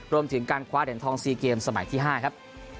รวมถึงการคว้าเหรียญทอง๔เกมสมัยที่๕ครับ